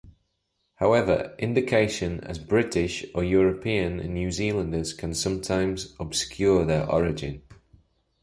However, identification as "British" or "European" New Zealanders can sometimes obscure their origin.